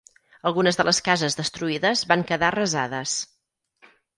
Algunes de les cases destruïdes van quedar arrasades.